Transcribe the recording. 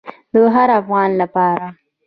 د هر افغان لپاره.